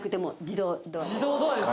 自動ドアですか。